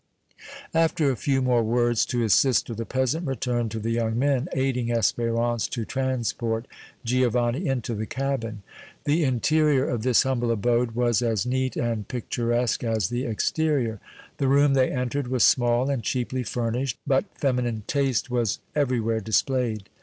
After a few more words to his sister, the peasant returned to the young men, aiding Espérance to transport Giovanni into the cabin. The interior of this humble abode was as neat and picturesque as the exterior. The room they entered was small and cheaply furnished, but feminine taste was everywhere displayed.